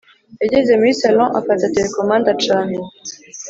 yageze muri sallon afata terekomande acana